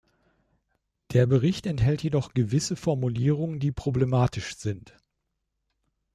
Der Bericht enthält jedoch gewisse Formulierungen, die problematisch sind.